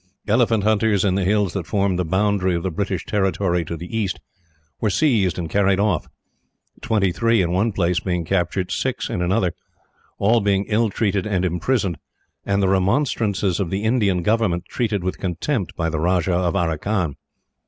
Elephant hunters, in the hills that formed the boundary of the British territory to the east, were seized and carried off; twenty three in one place being captured, and six in another all being ill treated and imprisoned, and the remonstrances of the Indian government treated with contempt by the Rajah of Aracan.